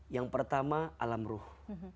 yang pertama alam ruh